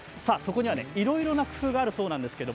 こちらにいろいろな工夫があるそうです。